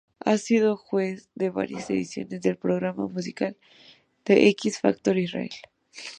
Ha sido juez de varias ediciones del programa musical "The X Factor Israel".